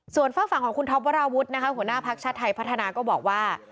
ส่วนฝากฝั่งของคุณท็อปวราวุฒินะคะหัวหน้าภักดิ์ชาติไทยพัฒนาก็บอกว่า